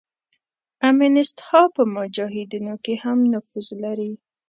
امینست ها په مجاهدینو کې هم نفوذ لري.